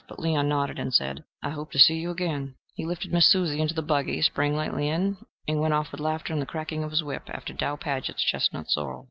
But Leon nodded and said, "I hope to see you again." He lifted Miss Susie into the buggy, sprang lightly in, and went off with laughter and the cracking of his whip after Dow Padgett's chestnut sorrel.